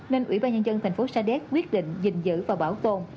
nên ủy ban nhân dân thành phố sa đéc quyết định dình dữ và bảo tồn